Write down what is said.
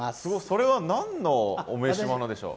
それは何のお召し物でしょう？